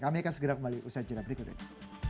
kami akan segera kembali usaha cerita berikutnya